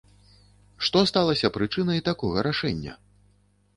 Што сталася прычынай такога рашэння?